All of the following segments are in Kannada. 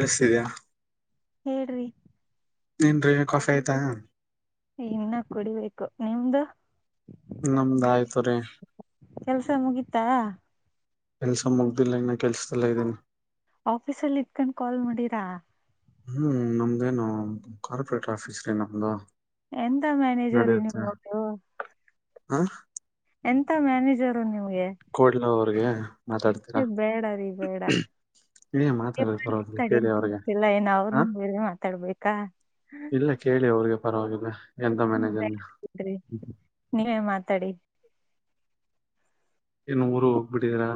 ಕೇಳುತ್ತಿದ್ದೀಯಾ? [inaudible] ಹೇಳ್ರಿ ಏನ್ರಿ, ಕಾಫೀ, ಆಯ್ತಾ? [inaudible] ಇನ್ನ, ಕುಡಿಬೇಕು ನಿಮ್ದ. [inaudible] ನಮ್ದಾಯ್ತು, ರಿ.. [inaudible] ಕೆಲ್ಸ, ಮುಗೀತಾ. [inaudible] ಕೆಲ್ಸ ಮುಗ್ದಿಲ್ಲ ಈಗನ ಕೆಲ್ಸ್ದಲ್ಲ ಇದ್ದೀನಿ ಆಫೀಸಲ್ಲಿ, ಇಟ್ಕಂಡು ಕಾಲ್ ಮಾಡೀರಾ! [inaudible] ಹ್ಮ್ ನಮ್ದೇನು ಕಾರ್ಪೊರೇಟ್ ಆಫೀಸ್ನಾ ಬ್ರೋ. ಎಂತ ಮ್ಯಾನೇಜರಿ ನೀವೊಬ್ರು. ಹಾ. ಎಂತ ಮ್ಯಾನೇಜರು ನೀವು. ಕೋಡ್ಲೂರು. ಗೆ [unintelligible] ಮಾತಾಡ್ತೀರಾ ಬೇಡ ರೀ ಬೇಡ ಮಾತಾಡಕೆ ಬರೋದ ಕೇಳಿ ಅವ್ರಿಗೆ ತಡಿಯಲ್ಲ ಏನ್ ಹ ಅವ್ರನ್ ಬೇರೆ ಮಾತಾಡ್ಬೇಕಾ ಇಲ್ಲ ಕೇಳಿ ಅವ್ರಿಗೆ. ಪರವಾಗಿಲ್ಲ ಎಂತ ಮ್ಯನೇಜರ್ ಬೇಡ ನೀವು. ಬಿಡ್ರಿ ನೀವೇ ಮಾತಾಡಿ ಏನ್ನುವರು ಬಿಟ್ಟಿದೀರಾ.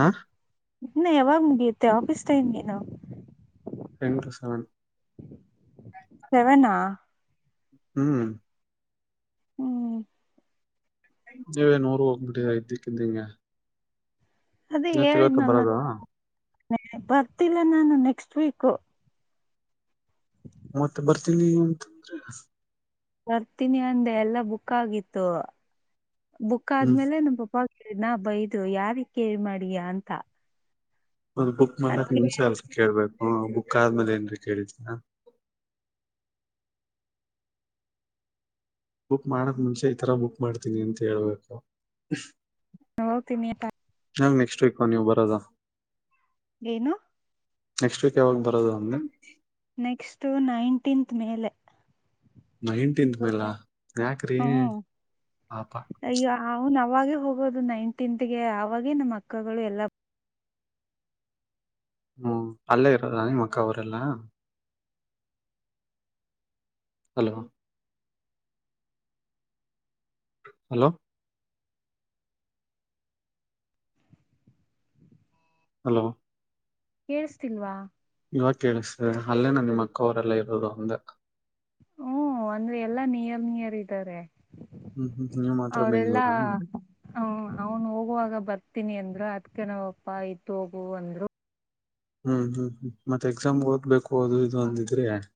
ಹಾ ಇನ್ನೂ ಯವಾಗ್ ಮುಗಿಯುತ್ತೆ ಆಫೀಸ್ ಟೈಮ್ಗೆ ನಾ, ಟೆನ್ ಟು ಸೆವೆನ್. ಸೆವೆನಾ ಹ್ಮ್. ಹ್ಮ್ ನೀವೆನಾ ಊರಗೆ ಹೋಗ್ಬಿಟ್ಟಿದೀರಾ ಇದ್ದಿಕಿದ್ದಂಗೆ. ಅದೇ ತಿತ್ತ ಇವತ್ತ್ ಹೇಳಿದ್ನಲ್ಲ ಬರೋದು ಬರ್ತಿಲ್ಲ ನಾನು ನೆಕ್ಸ್ಟ್ ವೀಕು. ಮತ್ತ್ ಬರ್ತೀನಿ ಅಂತಿದ್ರಿ. ಬರ್ತೀನಿ ಅಂದೆ ಎಲ್ಲಾ ಬುಕ್ ಆಗಿತ್ತು. ಬುಕ್ ಹ್ಮ್ ಆದ್ಮೇಲೆ ನಮ್ಮ್ ಪಪ್ಪಾ ನಾ ಬೈದು ಯಾರನ ಕೇಳಿ ಮಾಡಿಯಾ ಅಂತಾ, ಒಂದು ಬುಕ್ ಮಾಡಕ ನಿಮ್ಮ ಚಾರ್ಜ್ ಕೇಳ್ಬೇಕು. ಹ್ಮ ಬುಕ್ಕ ಆದ್ಮೇಲೆ ಏನ್ರೀ ಕೇಳರ್ತೀರಾ. ಬುಕ್ ಮಾಡಕ್ ಮುಂಚೆ ಈತರ ಬುಕ್ ಮಾಡ್ತೀನಿ ಅಂತ ಹೇಳ್ಬೇಕು, ಹೌ ತಿಮಿಯಟ ಇನ ನೆಕ್ಸ್ಟ್ ವೀಕಾ ನೀವ ಬರೋದು. ಏನು ನೆಕ್ಸ್ಟ್ ವೀಕ್ ಯವಾಗ ಬರೋದು ಅಂದೆ. ನೆಕ್ಸ್ಟು ನೈನ್ಟೀನ್ತ್ ಮೇಲೆ ನೈಟಿಂತ್ ಮೇಲಾ, ಹ್ಮ್ ಅಯ್ಯೋ ಅವನ ಅವಾಗೆ ಹೋಗೋದು ನೈನಟಿಂತಗೆ ಅವಾಗೆ ನಮ್ಮ ಅಕ್ಕಗಳು ಎಲ್ಲ ಹ್ಮ್ ಅಲ್ಲೇ ಇರೋದಾ ನಿಮ್ಮ ಅಕ್ಕ ಅವರೆಲ್ಲಾ. ಹಲೋ. ಹಲೋ ಹಲೋ ಕೇಳ್ಸ್ತಿಲ್ವಾ, ಇವಾಗ ಕೇಳ್ಸ್ತೀದೆ ಅಲ್ಲೇ ನಾ ನಿಮ್ಮ ಅಕ್ಕ ಅವರೆಲ್ಲಾ ಇರೋದು ಅಂದೆ. ಹ್ಮ ಅಂದ್ರೆ ಎಲ್ಲಾ ನಿಯರ್ ನಿಯರ್ ಇದ್ದಾರೆ. ಹ್ಮ್ ಹ್ಮ್ ನೀವ್ ಮಾತ್ರ ಅವರೆಲ್ಲಾ ಬೆಂಗ್ಳೂರಾ ಹ ಅವನು ಹೋಗುವಾಗ ಬರ್ತೀನಿ ಅಂ ಎ ಅದ್ಕೇನವಪ್ಪಾ ಇತ್ ಹೋಗು ಅಂದ್ರು. ಹೌದು ಮತ್ತೆ ಎಕ್ಸಾಮ್ಗೆ ಓದ್ಬೇಕು ಅದು ಇದು ಅಂದಿದ್ರೆ ಯಾರಿ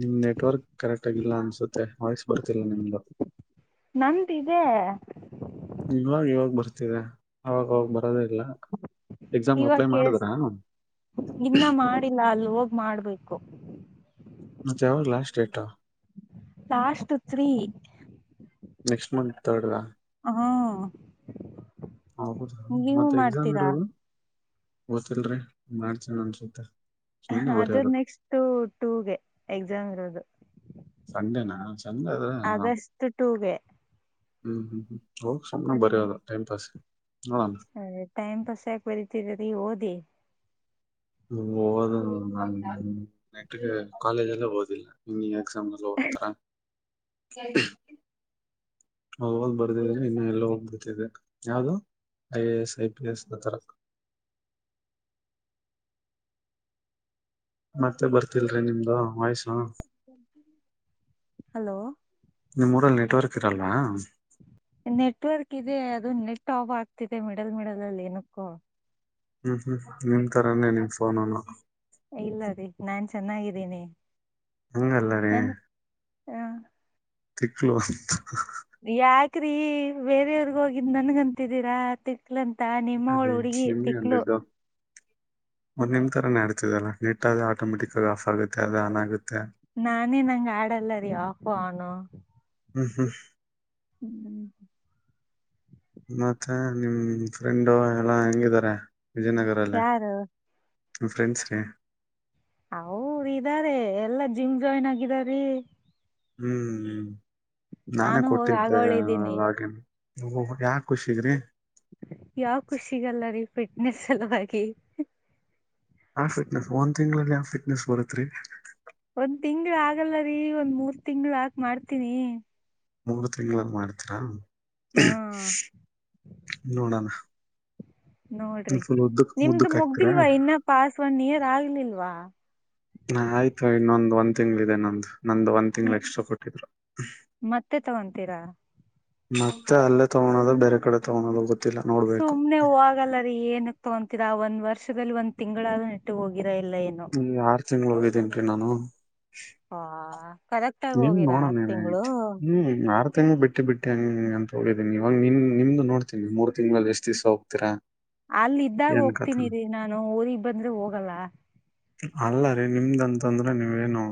ನಿಮ್ ನೆಟ್ವರ್ಕ್ ಕರೆಕ್ಟ್ ಆಗಿಲ್ಲ ಅನ್ಸುತ್ತೆ. ವಾಯ್ಸ್ ಬರ್ತಿಲ್ಲ ನಿಮ್ದು. ನಂದಿದೆ ತಾ ಅವಾಗ ಅವ ಬರೋದೇ ಇಲ್ಲ ಎಕ್ಸಾಮ್ ಇವಾಗ ಅಪ್ಲೈ ಕೇಳ್ಸ್ ಮಾಡದ್ರಾ. ಹೋಗ ಮಾಡ್ಬೇಕು. ಜಾವಾಗ last data. Last three. Next month [unintelligible] ಹ ಹೌದು ಮತ್ತೆ ಎಕ್ಸಾಮ್ ಇರೋದು ಒತ್ತಿಲ್ರಿ ಮಾಡ್ಸನಾ ಅನ್ಸುತ್ತೆ. ಸುಮ್ನೆ ಅದರ್ ಬರೆಯೋದು ನೆಕ್ಸ್ಟ್ ಟೂಗೆ ಎಕ್ಸಾಮ್ ಇರೋದು. ಸಂಡೆನಾ ಆಗಸ್ಟ್ ಟೂಗೆ. ಹ್ಮ್ ಹ್ಮ್ ಹೋಗ ಸುಮ್ನೆ ಬರೆಯೋದು ಟೈಮ್ ಪಾಸ್ ನೋಡೋಣ ಅ ಟೈಮ್ ಪಾಸ್ ಯಾಕೆ ಬರತಿರರೀ ಓದಿ. ಓದೋದು ನನ್ ನನ್ [unintelligible] ಆಕ್ಚವಲ್ಲಿ ಕಾಲೇಜಲ್ಲೇ ಓದಿಲ್ಲ ಇನ್ ಏನ್ ಸಮಲೋತ್ತರ ಒದ್ ಬರ್ದದ್ ಅಂದ್ರೆ ಇನ್ನು ಎಲ್ಲ ಹೋಗ್ಬಡ್ತಿದ್ದೆ ಯಾವ್ದು ಐ-ಎ-ಎಸ್, ಐ- ಪಿ -ಎಸ್ ನ ತರಾ. ಮತ್ತೆ ಬರ್ತಿಲ್ರಿ ನಿಮ್ದು [unintelligible] ಹಲೋ ನಿಮ್ಮೂರಲ್ಲಿ ನೆಟ್ವರ್ಕ್ ಇರಲ್ವಾ ನೆಟ್ವರ್ಕ್ ಇದೆ ಅದು ನೆಟ್ ಆಪ್ ಆಗ್ತಿದೆ ಮಿಡಲ್ ಮಿಡಲ್ ಅಲ್ಲಿ ಏನಕ್ಕೋ. ಹ್ಮ್ ಹ್ಮ್ ನಿಮ್ ತರಾನೇ ನಿಮ್ ಫೋನನು. ಇಲ್ಲಾ ರೀ ನಾನ್ ಚೆನ್ನಾಗಿದ್ದೇನೆ. ಹಂಗಲ್ಲಾರೀ ಆ ತಿಕ್ಲು ಯಾಕ್ರೀ ಬೇರೆಯವರ್ಗ ಹೋಗಿದ್ ನನ್ಗಂತಿದ್ದೀರಾ ತಿಕ್ ತಿಕ್ಲಂತ ನಿಮ್ಮವಳು ರೀ ತಿಕ್ಲು. ಒಂದ್ ನಿಮ್ ತರ ಆಡ್ತಿದೆ ಅಲ್ಲಾ ನಿಟ್ಟಾದೆ ಆಟೋಮೆಟಿಕ್ ಆಫ್ ಆಗುತ್ತೆ ಅದ ಆನ್ ಆಗುತ್ತೆ. ನಾನೇ ನಂಗ ಆಡಲ್ಲರೀ ಆಫ್ ಒನ್. ನ್ನ ಹ್ಮ್ ಹ್ಮ ಹ್ಮ್ ಮತ್ತೆ ನಿಮ್ ಫ್ರೆಂಡು ಎಲ್ಲ ಹೆಂಗಿದಿದ್ದಾರೆ ವಿಜಯನಗರ ಅಲ್ಲ ಯಾರು ಫ್ರೆಂಡ್ಸ್ ರ ಅವರ ಇದಾರೆ ಎಲ್ಲಾ ಜಿಮ್ ಜಾಯಿನ್ ಆಗಿದಾರೀ ಹ್ಮ್ - ಹ್ಮ್ ನಾನೇ ನಾನು ಹೋಗಿ ಕೊಟ್ಟಿದ್ದೆ ಆಗೋಳಿದ್ದೀನಿ ಹಾಗ ಓ ಯಾ ಖುಷಿಗ್ರಿ ಯಾವ ಖುಷಿಗಲ್ಲರಿೀ ಫಿಟ್ನೆಸ್ ಸಲುವಾಗಿ ಆ ಫಿಟ್ನೆಸ್ ಒಂದ್ ತಿಂಗಳಲ್ಲಿ ಆಾವ ಫಿಟ್ನೆಸ್ ಬರುತ್ರಿ ಒಂದ್ ತಿಂಗ್ಳ ಆಗಲ್ಲರಿೀ ಒಂದ್ ಮೂರ್ ತಿಂಗಳ ಆಗ ಮಾಡ್ತನಿ ಮೂರ್ ತಿಂಗಳದ ಮಾಡ್ತರಾ ಹಾ [inaudible] ನೋಡಣ ನೋಡ್ರಿ ನಿಮ್ದು ಮುದ್ದಕ್ ಮುಗ್ದಿಲ್ವಾ ಹಾಕ್ತೀರಾ ಇನ್ನ ಪಾಸ್ ಒನ್ ಇಯರ್ ಆಗ್ಲಿಲ್ಲ ವಾ ಹಾ ಆಯ್ತು ನೊಂದ ಒಂದ್ ತಿಂಗ್ ಇದೆ ನೊಂದು ನಂದು ಒಂದ್ ತಿಂಗ್ಳ ಹ್ಮ್ ಎಕ್ಸ್ಟ್ರಾ ಕೊಟ್ಟಿದ್ರು ತರ ಮತ್ತೆ ಅಲ್ಲೇ ತಗೋಳೋದು ಬೇರೆ ಕಡೆ ತಗಳೋದು ಗತ್ತೆ ಸುಮ್ನೆ ಹಾಗಲ್ಲ ರೀ ಏನಕ್ ತಗೊಂತೀಾ ಒಂದ್ ವರ್ಷದಲ್ಲಿ ಒಂದ ತಿಂಗಳಾದ ನೆಟ್ಟು ಹೋಗಿ ಹ್ಮ್ಗೆ ಆರು ತಿಂಗ್ಳ ಹೋಗೈತಿ ೇನ್ರಿ ನಾನು ಹಾ ನಿಮ ನೋಡಣ ಹ್ಮ್ ಆರು ತಿಂಗ ಬಿಟ್ಟು ಬಿಷ್ಟ - ಬಿಟ್ಟ ಹಂಗಂತ ಹೋಗಿದೀನ ಇವಾಗ ನಿಮ ನಿಮ್ದ ನೋಡ್ತೀಿ ಮೂರು ತಿಂಗಳಲ್ಲಿ ಎಷ್ಟ ದಿವಸ ಹೋಗ್ತರಾ ಅಲ್ಲ ಇದ್ದಾಗ ಹೋಗ್ತನಿ ರರಿ ನಾನು ಊರಿಗೆಗ್ ಬಂದ್ರೆ ಹೋಗಲ್ಲ ಅಲ್ಲ ರೀ ನಿಮ್ದಂತಂದ್ರೆ ನೀವ ೇನು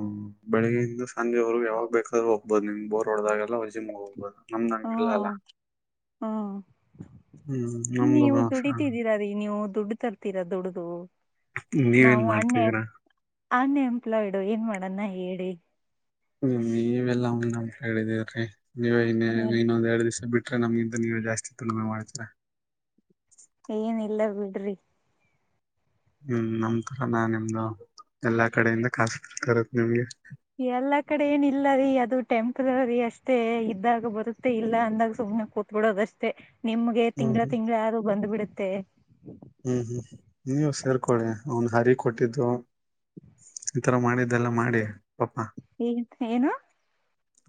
ಬೆಳಿಗ್ಗೆಯಿಂದ ಸಂಜೆವರೆಗ ಯಾವಾಗ ಬೇಕಾದ್ರ ಹ್ಬಹದು ನಿಮ್ ಬೋರ್ರಡ್ದಾಗೆಲ್ಲ ಹೊರ್ಜಮ್ ಹೋಗ್ಬಹದು ನಮ್ದಂಗಲ್ಲ ಹ್ಮ್ ಅಲ್ಲ ಹ್ಮ್ ಹ್ಮ್ ನಮಗು ನೀವು ಭಷ ದುಡಿತಿದ್ದೀರಾ ರೀ ನೀವು ದುಡ್ಡು ತರ್ತೀರಾ ದುಡ್ಡದು ನೀವನ್ ಮಾಡ್ತಿದರ ಅನ್ಎಂಪ್ಲಾಯ್ಡು ಏನ್ ಮಾಡನ್ನ ಹೇಳಿ ಹ ಮೇ್ ಎಲ್ಲಾ ಉಂದ್ [inaudible] ಹೇಳಿದ್ರಿ.. [inaudible] ನೀವ, ಇನ್ನ, ಹ್ಮ ಇನ್ನೊಂದೆರಡ್, ದಿವಸ ಬಿಟ್ಟು.. [unintelligible] ನಮ್ಗಿಂತ, ನೀವೇ, ಜಾಸ್ತಿ ಉಳುಮೆ, ಮಾಡ್ತೀರ. [unintelligible] ಏನ್, ಇಲ್ಲ, ಬಿಡ್ರಿ. [unintelligible] ಹ್ಮ್, ನಮ್ ತರ ನಾ ನಿಮ್ದು! ಎಲ್ಲಾ ಕಡೆಯಿಂದ ಕಾಸು ಬಿಡ್ತಾ. ಇರೋದು, ನಿಮ್ಗೆ. [unintelligible] ಎಲ್ಲಾ, ಕಡೆ ಏನಿಲ್ಲ! ರೀ ಅದು ಟೆಂಪ್ರರಿ, ಅಷ್ಟೇ ಇದ್ದಾಗ ಬರುತ್ತೆ? ಇಲ್ಲ ಅಂದಾಗ ಸುಮ್ನೆ ಕೂತ್ಬಿಡೋದಷ್ಟೇ. [unintelligible] ನಿಮ್ಗೆ, ಹ್ಮ್ ತಿಂಗಳ, ಹ್ಮ್ ತಿಂಗಳ, ಅದರು ಬಂದ್ ಬಿಡುತ್ತೆ. [unintelligible] ಅಂತೇ.. [inaudible] ಹ್ಮ್, ಹ್ಮ್, ನೀವ ಸೇರ್ಕೊಳ್ಳಿ? ಅವನ್ ಹರಿ ಕೊಟ್ಟಿದ್ದು. ಈಥರ ಮಾಡಿದ್ದೆಲ್ಲ, ಮಾಡಿ ಪಾಪ. [unintelligible] ಏ, ಏನು. [inaudible]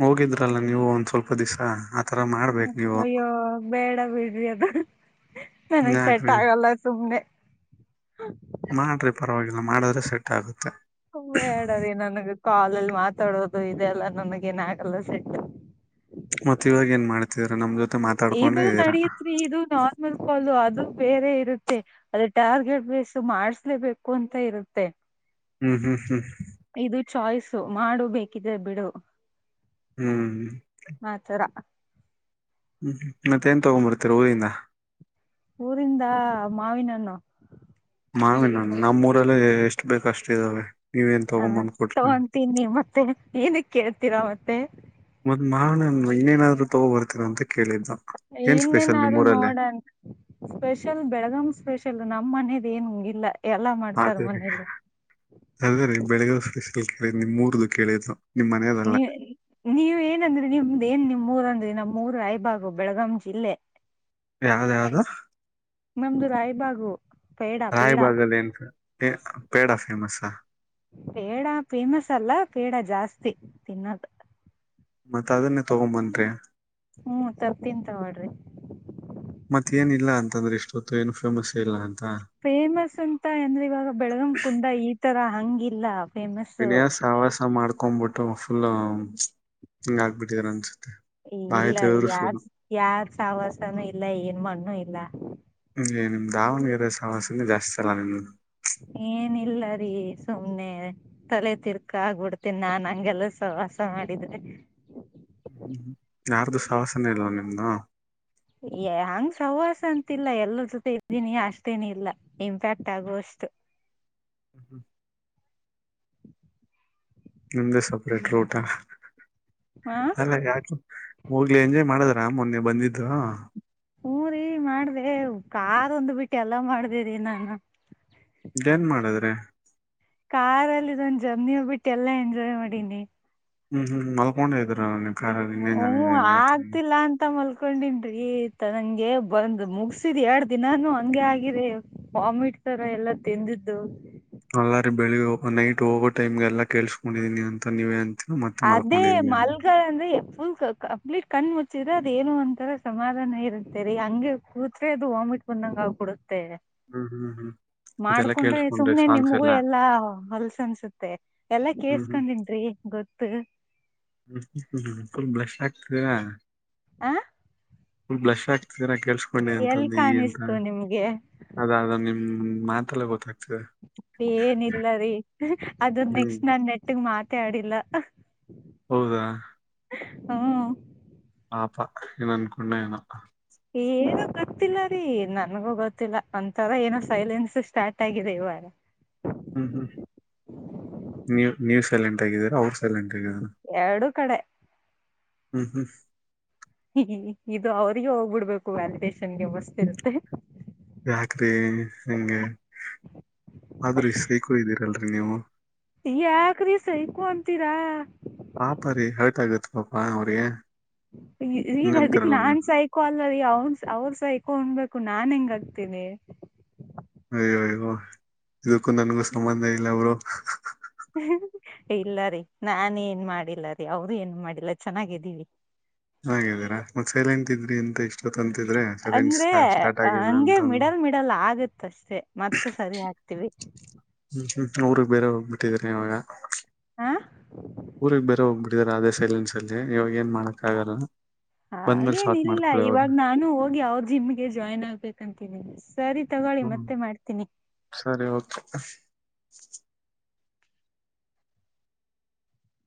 ಹೋಗಿದ್ರಲ್ಲ, ನೀವು ಒಂದ್ ಸ್ವಲ್ಪ ದಿವಸ. ಹ... [unintelligible] ಅಯ್ಯೋ, ಬೇಡ ಬಿಡ್ರಿ. ಅದು ನನಗ್ ಸೆಟ್ ಯಾಕ್ರಿ ಆಗಲ್ಲ ಸುಮ್ನೆ. [unintelligible] ಹಾ.. [inaudible] ಮಾಡ್ರಿ, ಪರವಾಗಿಲ್ಲ ಮಾಡಿದ್ರೆ ಸೆಟ್ ಆಗುತ್ತೆ. [unintelligible] ಬೇಡ, ಅದೇ ಏನೋ ನನಗೆಗೋತು. [unintelligible] ಕಾಲಲ್ಲಿ, ಮಾತಾಡೋದು ಇದೆಲ್ಲ ನನಗೆ, ಏನು ಆಗಲ್ಲ ಸೆಟ್. [unintelligible] ಮತ್ತ ಇವಾಗ ಏನ್ ಮಾಡ್ತಿದರ ನಮ್ ಜೊತೆ. [unintelligible] ಇದು, ಇದೀರಾ ನಡುತ್ರಿ, ಇದು ನಾರ್ಮಲ್ ಕಾಲು ಅದು... [unintelligible] ಬೇರೆ, ಇರುತ್ತೆ ಅದ್ರ ಟಾರ್ಗೆಟ್ ಬೇಸ್ ಮಾಡಸ್ಲೇಬೇಕು? ಅಂತ ಇರುತ್ತೆ. [unintelligible] ಹ್ಮ್, ಹ್ಮ್, ಹ್ಮ್. [inaudible] ಇದು ಚಾಯ್ಸು ಮಾಡು, ಬೇಕಿದೆ ಬಿಡು. [inaudible] ಹ್ಮ್.. [inaudible] ಆತರ ಹ್ಮ್, ಹ್ಮ್. ಮತ್ತೆ ಏನುತಗೊಂಬರ್ತೀರ, ಉರಿಯಿಂದ. [unintelligible] ಊರಿಂದಾ, ಮಾವಿನ ಹಣ್ಣು. [unintelligible] ಮಾವಿನ ಹಣ್ಣು, ನಮ್ಮೂರಲಿ, ಎಷ್ಟು ಬೇಕು ಅಷ್ಟು, ಇದ್ದಾವೆ. [unintelligible] ಹಾ, ತಗೊಂತೀನಿ, ಮತ್ತೆ ಏನುಕೈ, ಕೇಳ್ತೀರಾ ಮತ್ತೆ. ಮತ್ ಮಾವಿನ ಹಣ್ಣು [unintelligible] ಇನ್ನೇನಾದ್ರು ತಗೋ, ಬರ್ತಿದೆ ಅಂತ ಕೇಳಿದು. [inaudible] ಇನ್ನೇನಾರು ನೋಡಣ, ಸ್ಪೆಷಲ್ ಬೆಳಗಂ ಸ್ಪೆಷಲ್ ನಮ್ಮ್ ಮನೆದು. [unintelligible] ಏನ್, ಹಂಗಿಲ್ಲ. [inaudible] ಅದೇ, ರೀ, ಅದೇ ರೀ ಬೆಳಿಗ್ಗೆ, ಒಂದು ಸತ್ತಿ. [unintelligible] ಕೇಳಿದು, ನಿಮ್ ಉರುಧು ಕೇಳಿದು. [inaudible] ನೀವೆ, ನೀವ ಏನಂದ್ರೆ, ನಿಮ್ದ ಏನ್ ನಿಮ್ರಂದ. [unintelligible] ನಮ್ಮ, ಊರು ರಾಯಬಾಗು ಬೆಳಗಾಂ ಜಿಲ್ಲೆ. [unintelligible] ಯಾವ್ದ, ಯಾವ್ದು. [inaudible] ನಮ್ದು, ರಾಯ ಬಾಗು. [inaudible] ರಾಯಬಾಗಾಲೀ, ಏನು ಸರ್, ಪೇಡಫೇಮಸ್. [unintelligible] ಹ.. [inaudible] ಪೇಡ, ಫೇಮಸ್ ಅಲ್ಲ. ಪೇಡ ಜಾಸ್ತಿ ತಿನ್ನೋದು. [unintelligible] ಮತ್ತತ್ ಅದನ್ನೇ ತಗೊಂಬನ್ಿ ಹ್ಮ್ ತರ್ತೀಂತ ಮಾಡಡ್ರಿ ಪತ್ತು ಇನ್ಫರ್್ಮೇಶನ್ ಫೇಮಸ್ ಅಂತ ಅಂದ್ರೆ ಇವಾಗ ಬೆಳಗಂ ಕುಂದ ಈ ತರ ಹಂಗಿಲ್ಲ ಫೇಮಸ್ ವಿನಯ ಸವಾಸ ಮಾಡ್ತ ಕೊೊಂಡ್ಂಬಿಟ್ಟು ಫುಲ್ ಹಿಂಗ ಆಗ್ಬಿಟ್ಟಿದಾರ ಅನ್ಸುತ್ತೆ ಬಾಯಿ ಇಲ್ಲ ಅದ ತೆಗೆದ್ರು ಯಾರ್ ಸುಳ್ಳು ಯಾರ್ ಸಾವಾಸನೂ ಇಲ್ಲ ಏನ್ ಮಣ್ಣ್ಣು ಇಲ್ಲ ದಾವಣಗೆರ ಸಮಸ್ಯಿಂದ ಜಾಸ್ತಿ ತಲ್ಲ ನಿ ಏನಿಲ್ಲರಿೀ ಸುಮ್ನೆ ತಲೆ ತಿರ್ಕ ಆಗ್ಬಿಡ್ತೇನಿ ನಾನ್ ಹಂಗೆಲ್ಲ ಸವಾಸ ಮಾಡಿದ್ರೆ ಹ್ಮ್ ಯಾರ್ದು ಶವಾಸನೆ ಇಲ್ವಾ ನಿಮ್ದ ಹಂಗ್ ಸವಾಸ ಅಂತಿಲ್ಲ ಎಲ್ಲರ ಜೊತೆ ಇದ್ದೀನಿ ಅಷ್ಟತೇನ ಇಲ್ಲ ಇಂಪ್ಯಾಕ್ಟ್ ಆಗುವಷ್ಟು ಹ್ಮ ಹ್ಮ್ ಎಂದ ಸೆಪರೇಟ್ ರೂಟ ಹ ಅಲ್ಲ ಯಾಕು ಹೋಗ್ಲಿ ಎಂಜಾಯಯ್ ಮಾಡದ್ರ ಮೊನ್ನೆ ಬಂದಿದ್ದ ಹಊರಿೀ ಮಾಡ್ದೆ ಕಾದೊಂದು್ ಬಿಟ್ಟು ಎಲ್ಲ ಮಾಡ್ದೇರಿಿ ನಾನು ಇದೇನ್ ಮಾಡದ್ರಿ ಕಾರಲ್ಲಿ ಇದಂದು ಜರ್ನಿೋಗ್ಬಿಟ್ಟು ಎಲ್ಲಾ ಎಂಜಾಯ್ ಮಾಡನಿ ಹ್ಮ್ ಹ್ಮ್ ಮಲ್ಕೊಂಡೆ ಇದ್ದೀ ನ ನ್ನೇ ನಾನು ನೇ ಮಾಡ್ತೇಿ ಕಕೊಂಡನ್ಿ ತನಗೆ ಬಂದ್ ಮುಗಸಿದ್ ಎರಡ್ ದಿನಾನು ಹಂಗೆ ಆಗಿದೆ ವಾಮಿಟ್ ತರ ಎಲ್ಲಾ ತಿಂದಿದ್ದು ಅಲ್ಲಾರಿ ಬೆಳಿಗ್ಗೆ ನೈಟ್ ಹೋಗೋ ಟೈಮ್ಗೆ ಎಲ್ಲಾ ಕೇಳಸ್ಕೊಂಡಿದೀನಿ ಅಂತ ನೀವೇ ಅಂತ ಮತ್ತೆ ಅದೇ ಮಲ್ಕೊಂಡಿದೀನಿ ಮಲಗ ಅ್ರೆ ಎ ಕಂಪ್ಲೀಟ್ ಕಣ್ ಮುಚ್ಚಿದ್ರೆ ಅದ ಏನು ಒಂತರ ಸಮಾಧಾನ ಇರುತ್ತೆ ರರಿ ಹಂಗೆ ಕೂತ್್ರೆ ಅದು ವಾಮಿಟ್ ಬಂದಂಗ ಆ ಕುಡ ಹ್ಮ್ ಹ್ಮ್ ಹ್ಮ್ ಅದೆಲ್ಲಾ ಮಾಡ್ಕೊಂಡ್ರೆ ಕೇಳ್ಸ್ಕೊಂಡ್ರಿ ಸುಮ್ನೆ ಸಾಂಗ್ಸ್ ನಿಮಗೂ ಎಲ್ಲ ಎಲ್ಲಾ ಹೊಲ್ಸ ಅನ್ಸುತ್ತೆ ಎಲ್ಲಾ ಕೇಸ್ಕೊಂಡನ್ೀ ಗೊತ್ತ ತ್ತೆ ಹಲ್ ಬಲಷಾ ಹ ಆ ಹ ಬ್ಸ್ ರ ಕಳ್ಸ್ಕೊಂಡೆ ಎಲ್ ಅಂತಂದು ಅಂತ ಕಾಣಿಸ್ತು ನಿಮ್ಗೆ ಅದಾದ ನಿಮ ಮಾತೆ ಕ ಏನಿಲ್ಲ ರೀ ಅದ ಹ್ಮ್ ನೆಕ್ಸ್ಟ್ ನಾ ನೆಟ್ಟಗ್ ಮಾತ ಮತ್ತೆ ಆಡಿಲ್ಲ ಹೌದಾ ಹಾ ಪಾಪಾ ಏನ್ ಅನ್ಕೊಂಡ ಏನ ಏನೋ ಗೊತ್ತಿಲ್ಲ ರೀ ನನ್ಗೂ ಗೊತ್ತಿಲ್ಲ ಒಂಂತರ ಏನೋ ಸೈಲೆನ್ಸ್ ಸ್ಟಾರ್ಟ್ ಆಗಿದೆ ಇವಾರ ಹ್ಮ್ ಹ್ಮ್ ೂ ನ್ಯೂ ಸ್ಯಾಲಂಟ್ ಆಗಿದ್ದಾರೆ ಅವರು ಎರಡು ಕಡೆ ಹ್ಮ್ ಹ್ಮ್ ಹ್ಮ ಇದು ಅವ್ರಿಗೆ ಹೋಗ್ಬಿಡ್ಬೇಕು ಅಲ್ಂತೇಶ ಯಾಕ್ರೀ ಹಗೆ ಆದ್ರೀ ಸೈಕೂ್ದೀರಲ್ರಿ ಅ ನೀವು ಯಾಕ್ರೀ ಸೈಕು ಅಂತೀರಾ ಪಾಪ ರೀ ಹರ್ಟ್ ಆಗತ್ ಪಾಪಾ ಅವ್ರಿಗೆ ಈಗ ಅದಕ್ ಇಂತರಲ್ಲ ನಾನ್ ನೀನು ಸೈಕೋ ಅಲ್ಲ ರೀ ಅವನ್ ಅವ್ರ ಸ ಇಕೊಂಡ್ಬೇಕು ನಾನ್ ಹೆಂಗ ಆಗ್ತೀನಿ ಅಯ್ಯೋ ಅಯ್ಯೋ ಇದಕ್ಕೂ ನನ್ಗೂ ಸಂಬಂಧ ಇಲ್ಲ ಅವರು ಇಲ್ಲ ರೀ ನಾ ಏನ್ ಮಾಡಿಲ್ಲ ರೀ ಅವರುೂ ಏನ್ ಮಾಡಿಲ್ಲ ಚೆನ್ನಾಗಿದ್ದೀವಿ ಹಾಗೀರಾ ಮತ್ತ ಸೇಲೆ ಎಂತಿದ್ರಿ ಎಂತ ಇಷ್ಟ ಅಂದ್ರೆ ಹಗೆ ಅಂತ ಹ್ಮ್ ಮಿಡಲ್ ಮಿಡಲ್ ಆಗತ್ತೆ ಕಷ್ಟ್ ಮತ್ತೆ ಸರಿ ಹಾಕ್ತೀವಿ ಹ್ಮ್ ಹ್ಮ್ ಅವಊ್ರಗ್ ಬೇರೆ ಹೋಗ್ಬಿಟ್ಟಿದ್ರ ಇವಾಗ ಹಾ ಊರಿಗೆಗ್ ಬೇರೆ ಹೋಗ್ಬಿಟ್ಟಿದಾರ ಅದೇ ಸೈಲೆನ್ಸ್ ಅಲ್ಲಿ ಇವಾಗ ಏನ್ ಮಾಡಕ್ ಆಗಲ್ಲ ಬಂದ್ಮೇಲೆ ಹಾಗೇನ ಸಾರ್ಟ್ ಇಲ್ಲ ಮಾಡ್ಕೊಳ್ಳಿ ಇವಾಗ ನಾನು ಹೋಗಿ ಅವ ಜಿಮ್ಗೆ ಜಾಯ್ನ್ ಆಗ್ಬೇಕಂತನಿ ಸರಿ ತಗೊಳ್ಳಿ ಹ್ಮ್ ಮತ್ತೆ ಮಾಡ್ತೀನಿ ಸರಿ ಓಕೆ